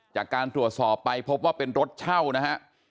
จากการตรวจสอบไปพบว่าเป็นรถเช่านะฮะ